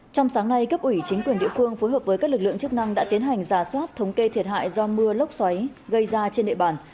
trong sáng nay cấp ủy chính quyền địa phương phối hợp với các lực lượng chức năng đã tiến hành giả soát thống kê thiệt hại do mưa lốc xoáy gây ra trên địa bàn